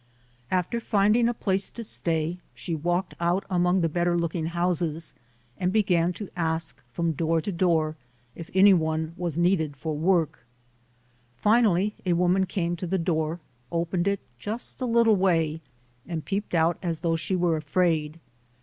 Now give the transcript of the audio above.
After finding a place to stay, she walked out among the 94 ] UNSUNG HEROES better looking houses and began to ask from door to door if any one was needed for work. Finally a woman came to the door, opened it just a little way and peeped out as though she were afraid.